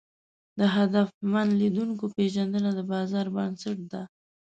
د هدفمن لیدونکو پېژندنه د بازار بنسټ ده.